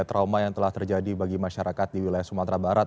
trauma yang telah terjadi bagi masyarakat di wilayah sumatera barat